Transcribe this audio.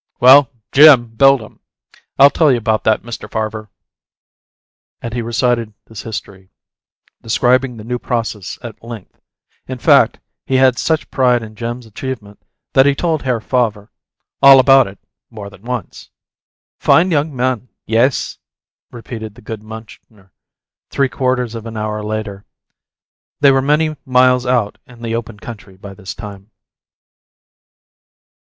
Well, JIM built 'em. I'll tell you about that, Mr. Farver." And he recited this history, describing the new process at length; in fact, he had such pride in Jim's achievement that he told Herr Favre all about it more than once. "Fine young man, yes," repeated the good Munchner, three quarters of an hour later. They were many miles out in the open country by this time.